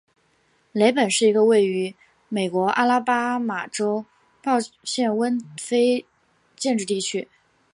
雷本是一个位于美国阿拉巴马州鲍德温县的非建制地区。